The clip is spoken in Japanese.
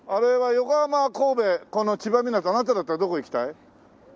横浜神戸この千葉みなとあなただったらどこ行きたい？